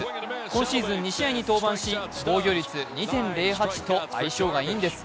今シーズン２試合に登板し、防御率２．０８と相性がいいんです。